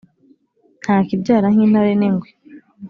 - nta kibyara nk‟intare n‟ingwe.